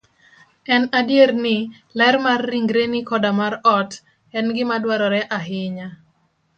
En adier ni, ler mar ringreni koda mar ot, en gima dwarore ahinya.